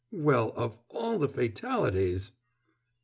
"Well, of all the fatalities!"